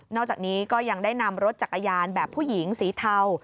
อกจากนี้ก็ยังได้นำรถจักรยานแบบผู้หญิงสีเทา